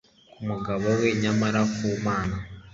k'umugabo we. nyamara ku mana